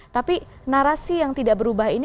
tapi narasi yang tidak berubah ini